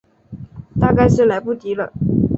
大概是来不及了